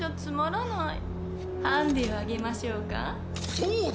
そうだ！